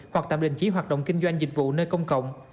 hoặc tạm đình chỉ hoạt động kinh doanh dịch vụ nơi công cộng